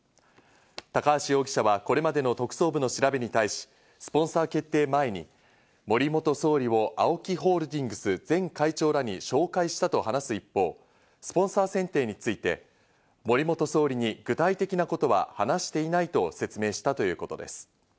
高橋容疑者はこれまでの特捜部の調べに対し、スポンサー決定前に森元総理をＡＯＫＩホールディングス前会長らに紹介したと話す一方、スポンサー選定について森元総理に具体的なことは話していないと説明したということです。